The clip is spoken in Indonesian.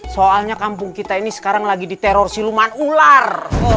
soalnya kampung kita ini sekarang lagi diteror siluman ular